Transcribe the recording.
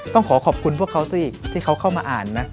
ต้องขอขอบคุณพวกเขาสิที่เขาเข้ามาอ่านนะ